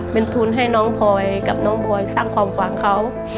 เป็นทุนให้น้องพลอยกับน้องบอยสร้างความหวังเขา